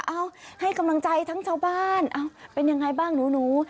เอาให้กำลังใจทั้งชาวบ้านเป็นยังไงบ้างหนู